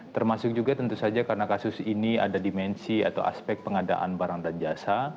termasuk juga tentu saja karena kasus ini ada dimensi atau aspek pengadaan barang dan jasa